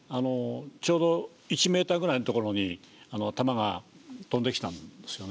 ちょうど１ｍぐらいの所に弾が飛んできたんですよね。